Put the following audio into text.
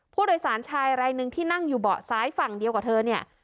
ผู้โดยสารชายรายหนึ่งที่นั่งอยู่เบาะซ้ายฝั่งเดียวกับเธอเนี่ย